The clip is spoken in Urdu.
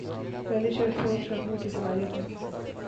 پہلی شرط سوچ رکھنے کی صلاحیت ہے۔